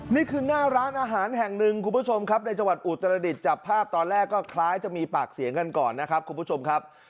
นี่คือหน้าร้านอาหารแห่งหนึ่งคุณผู้ชมครับในจังหวัดอุตรดิษฐ์จับภาพตอนแรกก็คล้ายจะมีปากเสียงกันก่อนนะครับคุณผู้ชมครับ